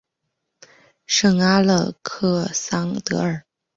圣阿勒克桑德尔。